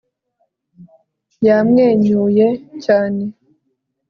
yamwenyuye cyane